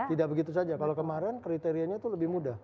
tidak begitu saja kalau kemarin kriterianya itu lebih mudah